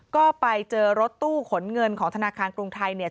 ก็ไปเจอรถตู้ขนเงินของธนาคารกรุงไทยเนี่ย